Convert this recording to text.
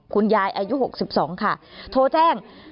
คุณยายอายุหกสิบสองค่ะโทรแจ้ง